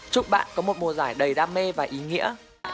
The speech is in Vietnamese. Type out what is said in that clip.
chúc bạn có một mùa giải đầy đam mê và ý nghĩa